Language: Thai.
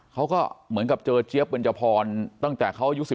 เขาก็เหมือนกับเจอเจี๊ยบเบนจพรตั้งแต่เขาอายุ๑๑